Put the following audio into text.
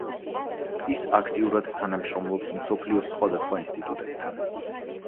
ის აქტიურად თანამშრომლობს მსოფლიოს სხვადასხვა ინსტიტუტებთან.